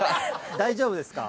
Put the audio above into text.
大丈夫です。